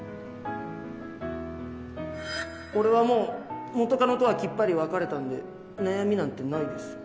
俺はもう元カノとはきっぱり別れたんで悩みなんてないです